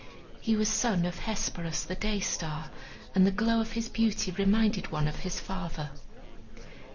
He was son of Hesperus, the Day star, and the glow of his beauty reminded one of his father.